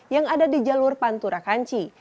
yang ada di jalur pantura kanci